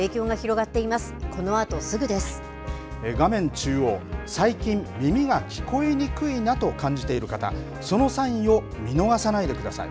中央、最近、耳が聞こえにくいなと感じている方、そのサインを見逃さないでください。